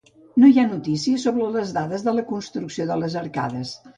No hi ha notícies sobre les dades de la construcció de les arcades.